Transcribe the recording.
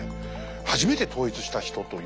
初めて統一した人という。